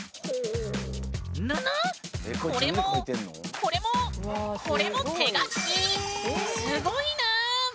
これもこれもこれも手書き⁉すごいぬん。